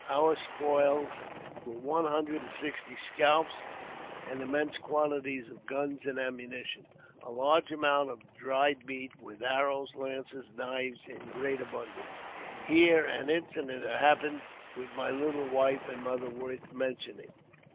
Our spoils were one hundred and sixty scalps, and immense quantity of guns and ammunition, a large amount of dried meats, with arrows, lances, knives, in great abundance. Here an incident happened with my little wife and mother worth mentioning.